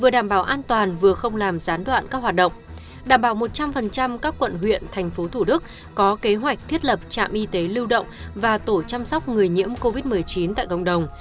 đảm bảo một trăm linh các quận huyện thành phố thủ đức có kế hoạch thiết lập trạm y tế lưu động và tổ chăm sóc người nhiễm covid một mươi chín tại cộng đồng